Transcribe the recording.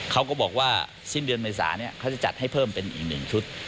เขาก็บอกว่าสิ้นเดือนเมษาเขาจะจัดให้เพิ่มเป็นอีก๑ชุด